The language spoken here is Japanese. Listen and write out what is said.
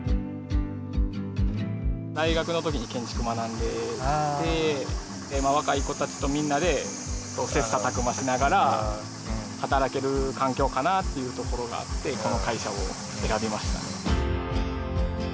大学の時に建築学んでて若い子たちとみんなで切磋琢磨しながら働ける環境かなっていうところがあってこの会社を選びましたね。